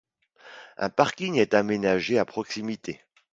Un parking est aménagé à proximité.